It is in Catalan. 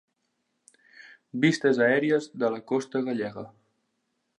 Vistes aèries de la costa gallega.